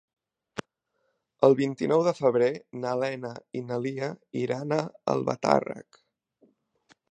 El vint-i-nou de febrer na Lena i na Lia iran a Albatàrrec.